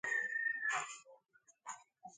He died s.p.l.